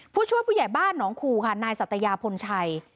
ผู้ช่วยผู้ใหญ่บ้านหนองคูค่ะนายสัตยาพลชัย